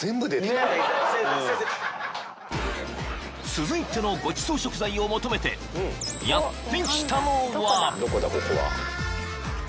［続いてのごちそう食材を求めてやって来たのは］